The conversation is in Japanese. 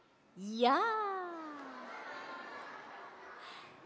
「やあ」